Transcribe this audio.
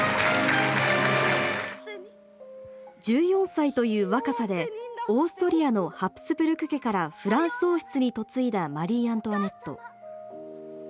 １４歳という若さでオーストリアのハプスブルク家からフランス王室に嫁いだマリー・アントワネット。